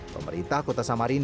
pemerintah kota samarinda